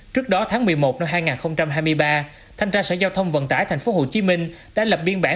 trước đó tháng một mươi một năm hai nghìn hai mươi ba thanh tra sở giao thông vận tải tp hcm đã lập biên bản